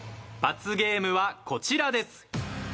罰ゲームはこちらです。